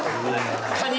カニ